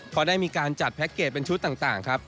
พอได้มีการจัดแพ็คเกจเป็นชุดต่างครับ